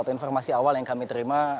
atau informasi awal yang kami terima